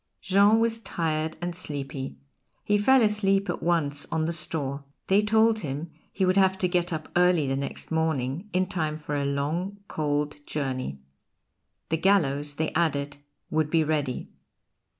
Jean was tired and sleepy. He fell asleep at once on the straw. They told him he would have to get up early the next morning, in time for a long, cold journey. The gallows, they added, would be ready.